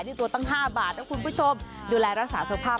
นี่ตัวตั้ง๕บาทนะคุณผู้ชมดูแลรักษาสภาพ